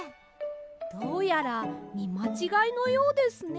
どうやらみまちがいのようですね。